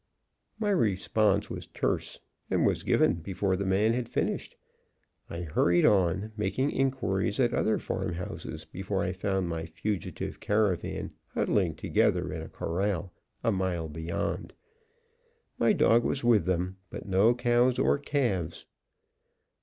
My response was terse, and was given before the man had finished. I hurried on, making inquiries at other farmhouses before I found my fugitive caravan huddling together in a corral, a mile beyond. My dog was with them, but no cows or calves.